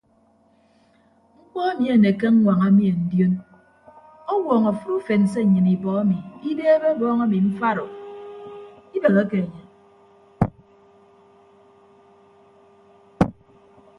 Mkpọ emi anekke aññwaña mien ndion ọwọọñọ afịt ufen se nnyịn ibọ emi ideebe ọbọọñ emi mfat o ibegheke enye.